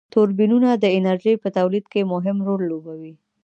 توربینونه د انرژی په تولید کی مهم رول لوبوي.